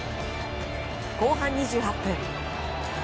後半２８分。